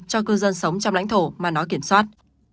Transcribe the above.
cho cư dân sống trong lãnh thổ mà nói kiểm soát